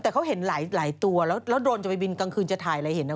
แต่เขาเห็นหลายตัวแล้วโดนจะไปบินกลางคืนจะถ่ายอะไรเห็นนะ